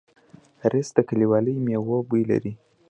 رس د کلیوالو مېوو بوی لري